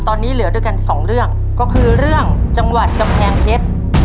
ตอนนี้เหลือด้วยกันสองเรื่องก็คือเรื่องจังหวัดกำแพงเพชร